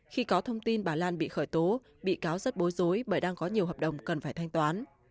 khi có thông tin bà lan bị khởi tố bị cáo rất bối rối bởi đang có nhiều hợp đồng cần phải thanh toán